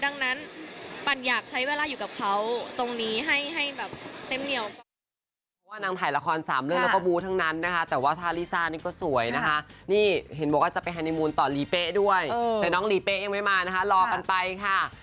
ดังนั้นปั่นอยากใช้เวลาอยู่กับเขาตรงนี้ให้แบบเต็มเหนียวก่อน